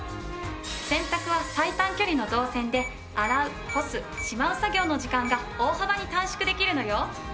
洗濯は最短距離の動線で洗う干すしまう作業の時間が大幅に短縮できるのよ。